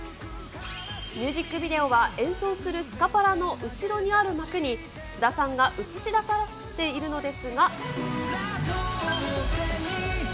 ミュージックビデオは演奏するスカパラの後ろにある幕に菅田さんが映し出されているのですが。